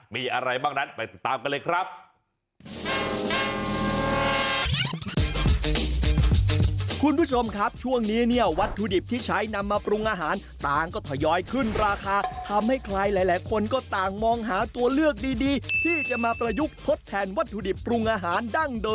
มีอะไรบ้างนั้นไปติดตามกันเลยครับ